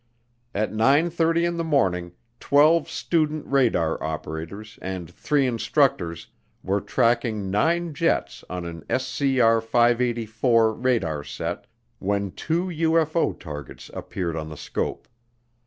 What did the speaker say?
At nine thirty in the morning twelve student radar operators and three instructors were tracking nine jets on an SCR 584 radar set when two UFO targets appeared on the scope.